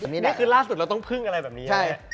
นี่คือล่าสุดเราต้องพึ่งอะไรแบบนี้ใช่ไหม